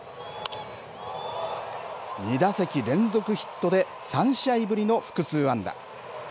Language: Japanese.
２打席連続ヒットで３試合ぶりの複数安打。